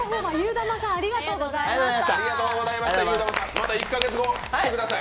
また１か月後、来てください。